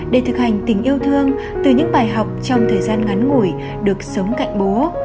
để thực hành tình yêu thương từ những bài học trong thời gian ngắn ngủi được sống cạnh bố